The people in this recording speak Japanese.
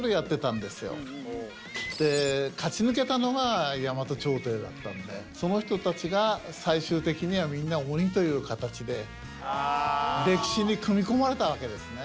で勝ち抜けたのが大和朝廷だったのでその人たちが最終的にはみんな鬼という形で歴史に組み込まれたわけですね。